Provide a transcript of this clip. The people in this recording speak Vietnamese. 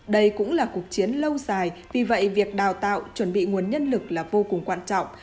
đây cũng là cuộc chiến lâu dài vì vậy việc đào tạo chuẩn bị nguồn nhân lực là vô cùng quan trọng